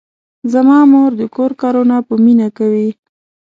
زما مور د کور کارونه په مینه کوي.